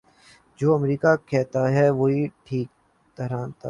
جو امریکہ کہتاتھا وہی ٹھیک ٹھہرتا۔